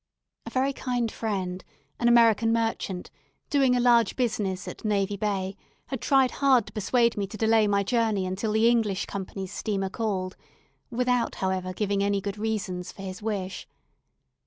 A very kind friend, an American merchant, doing a large business at Navy Bay, had tried hard to persuade me to delay my journey until the English company's steamer called; without, however, giving any good reasons for his wish.